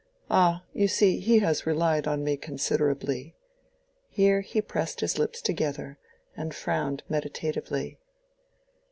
"Ah, you see he has relied on me considerably." Here he pressed his lips together, and frowned meditatively.